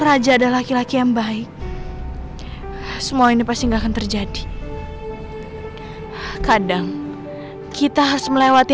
raja adalah laki laki yang baik semua ini pasti enggak akan terjadi kadang kita harus melewati